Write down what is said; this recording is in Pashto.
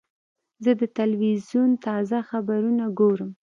زه د تلویزیون تازه خبرونه ګورم.